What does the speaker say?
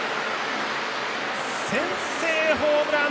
先制ホームラン！